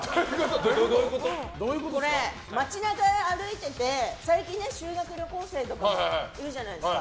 街中で歩いてて最近修学旅行生とかいるじゃないですか。